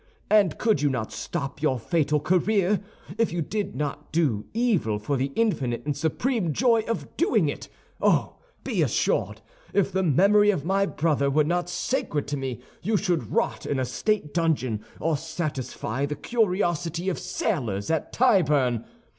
And could you not stop your fatal career, if you did not do evil for the infinite and supreme joy of doing it? Oh, be assured, if the memory of my brother were not sacred to me, you should rot in a state dungeon or satisfy the curiosity of sailors at Tyburn.